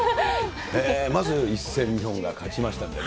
まず一戦日本が勝ちましたんでね。